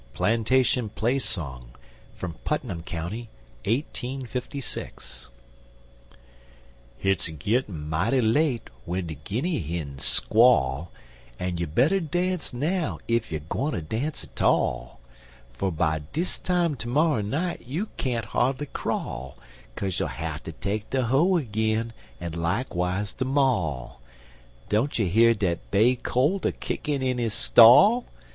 PLANTATION PLAY SONG (PUTNAM COUNTY 1856.) HIT'S a gittin' mighty late, w'en de Guinny hins squall, En you better dance now, ef you gwineter dance a tall, Fer by dis time termorrer night you can't hardly crawl, Kaze you'll hatter take de hoe ag'in en likewise de maul Don't you hear dat bay colt a kickin' in his stall?